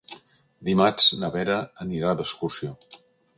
Dimarts na Vera anirà d'excursió.